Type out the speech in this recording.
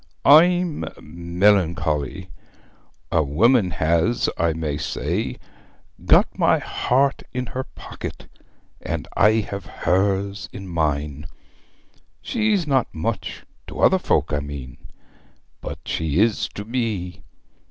I'm melancholy! A woman has, I may say, got my heart in her pocket, and I have hers in mine. She's not much to other folk, I mean but she is to me.